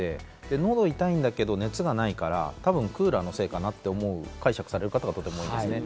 喉痛いんだけれども熱がないからクーラーのせいかなと解釈される方がとても多いんですね。